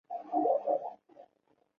维诺托努斯凯尔特神话神只之一。